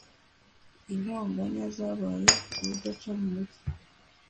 intonganya zabaye urudaca mu mugi